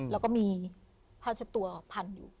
แล้วก็มีผ้าเช็ดตัวพันอยู่